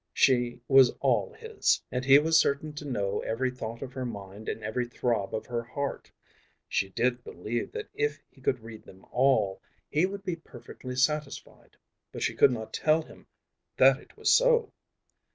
She was all his, and he was certain to know every thought of her mind and every throb of her heart. She did believe that if he could read them all, he would be perfectly satisfied. But she could not tell him that it was so.